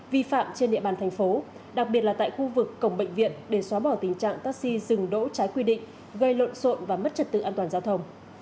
vi phạm trên địa bàn thành phố đặc biệt là tại khu vực cổng bệnh viện để xóa bỏ tình trạng taxi dừng đỗ